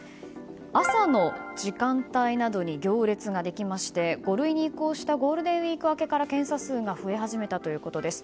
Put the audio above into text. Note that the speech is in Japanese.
朝の時間帯などに行列ができまして５類に移行したゴールデンウィーク明けから検査数が増え始めたということです。